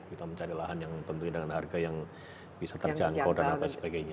kita mencari lahan yang tentunya dengan harga yang bisa terjangkau dan apa sebagainya